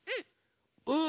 うん。